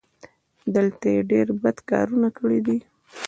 دلته یې ډېر بد کارونه کړي دي.